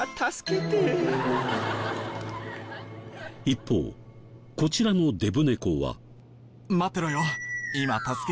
一方こちらのデブ猫は。